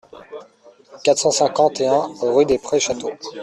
quatre cent cinquante et un rue des Prés Château